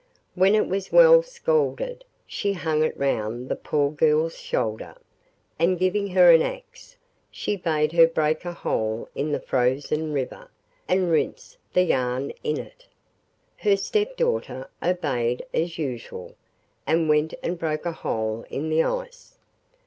When it was well scalded she hung it round the poor girl's shoulder, and giving her an axe, she bade her break a hole in the frozen river, and rinse the yarn in it. Her stepdaughter obeyed as usual, and went and broke a hole in the ice.